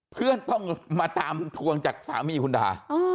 เพื่อนต้องมาตามทวงจากสามีคุณดา